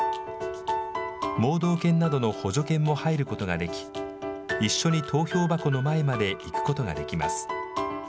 盲導犬などの補助犬も入ることができ、一緒に投票箱の前まで行くことができます。